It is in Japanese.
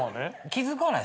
気付かない？